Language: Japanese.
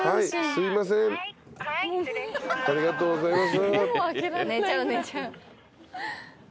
ありがとうございます。